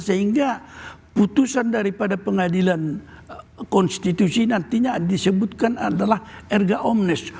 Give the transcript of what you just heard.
sehingga putusan daripada pengadilan konstitusi nantinya disebutkan adalah erga omnes